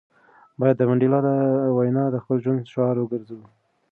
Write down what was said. باید د منډېلا دا وینا د خپل ژوند شعار وګرځوو.